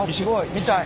見たい。